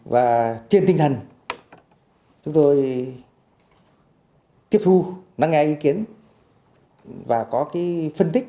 và trên tinh thần chúng tôi tiếp thu nắng nghe ý kiến và có phân tích thực sự phù hợp để hoàn thiện sách